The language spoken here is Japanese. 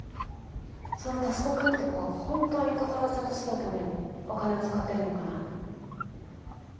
その佑くんって子は本当にコタローちゃんと住むためにお金を使ってるのかな？